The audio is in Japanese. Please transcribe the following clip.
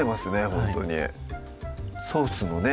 ほんとにソースのね